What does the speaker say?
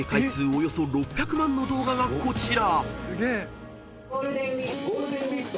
およそ６００万の動画がこちら］